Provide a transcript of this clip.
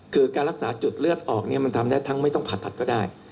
คือการรักษาจุดเลือดออกเนี่ยมันทำได้ทั้งไม่ต้องผัดก็ได้